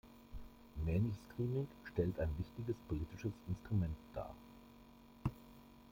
Mainstreaming stellt ein wichtiges politisches Instrument dar.